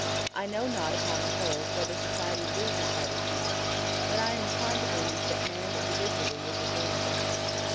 I know not, upon the whole, whether society loses by the change, but I am inclined to believe that man individually is a gainer by it.